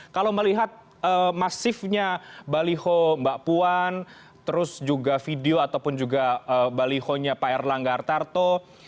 kalau melihat masifnya baliho mbak puan terus juga video ataupun juga balihonya pak erlangga artarto